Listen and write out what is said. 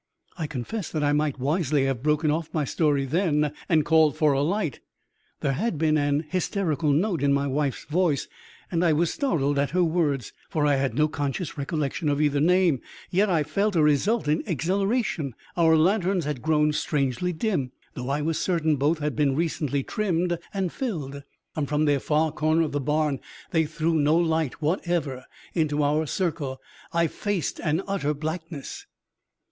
I confess that I might wisely have broken off my story then and called for a light. There had been an hysterical note in my wife's voice, and I was startled at her words, for I had no conscious recollection of either name; yet I felt a resultant exhilaration. Our lanterns had grown strangely dim, though I was certain both had been recently trimmed and filled; and from their far corner of the barn they threw no light whatever into our circle. I faced an utter blackness.